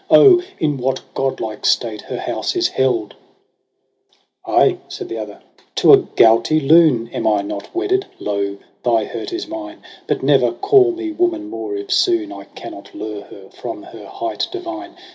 Oh ! in what godlike state her house is held !' H ' Ay,' said the other, ' to a gouty loon Am I not wedded ? Lo ! thy hurt is mine : But never call me woman more, if soon I cannot lure her from her height divine.